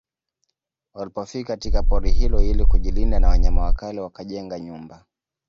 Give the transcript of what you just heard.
Walipofika katika pori hilo ili kujilinda na wanyama wakali wakajenga nyumba